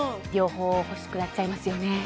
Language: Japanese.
両方欲しくなっちゃいますよね